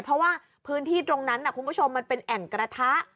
เพราะว่าพื้นที่ตรงนั้นคุณผู้ชมมันเป็นแอ่งกระทะ